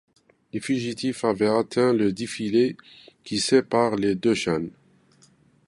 Les fugitifs avaient atteint le défilé qui sépare les deux chaînes.